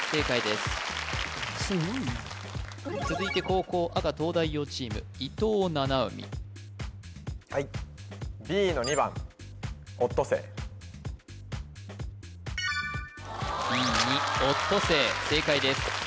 すごいな続いて後攻赤東大王チーム伊藤七海はいＢの２番Ｂ２おっとせい正解です